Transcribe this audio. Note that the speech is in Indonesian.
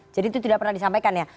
jadi itu tidak pernah disampaikan ya